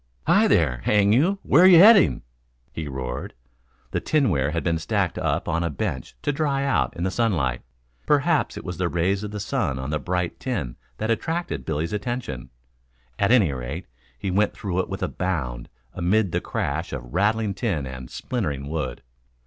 "Hi there, hang you, where you heading?" he roared. The tinware had been stacked up on a bench to dry out in the sunlight. Perhaps it was the rays of the sun on the bright tin that attracted Billy's attention. At any rate he went through it with a bound, amid the crash of rattling tin and splintering wood.